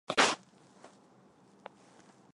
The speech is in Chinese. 但是看起来不多呀